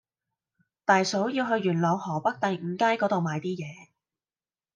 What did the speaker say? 大嫂要去元朗河北第五街嗰度買啲嘢